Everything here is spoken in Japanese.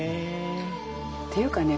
っていうかね